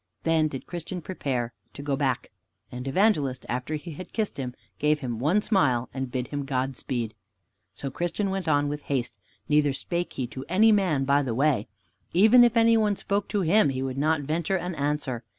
Then did Christian prepare to go back. And Evangelist, after he had kissed him, gave him one smile, and bid him Godspeed. So Christian went on with haste, neither spake he to any man by the way. Even if any one spoke to him, he would not venture an answer.